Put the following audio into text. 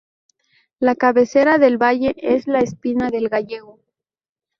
La cabecera del valle es la Espina del Gallego.